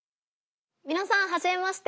みなさんはじめまして。